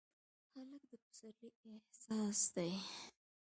هلک د پسرلي احساس دی.